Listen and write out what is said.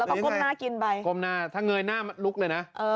แล้วก็ก้มหน้ากินไปก้มหน้าถ้าเงยหน้าลุกเลยนะ